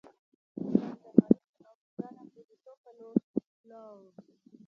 انسان د حرص او له ځانه پردیتوب په لور لاړ.